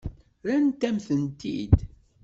Rrant-am-tent-id.